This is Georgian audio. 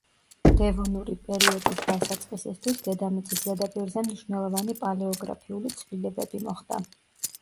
დევონური პერიოდის დასაწყისისთვის დედამიწის ზედაპირზე მნიშვნელოვანი პალეოგრაფიული ცვლილებები მოხდა.